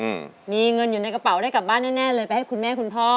อืมมีเงินอยู่ในกระเป๋าได้กลับบ้านแน่แน่เลยไปให้คุณแม่คุณพ่อ